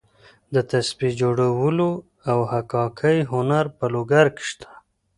د تسبیح جوړولو او حکاکۍ هنر په لوګر کې شته.